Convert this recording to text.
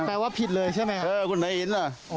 แปลว่าผิดเลยใช่ไหมฮะคุณไหนเห็น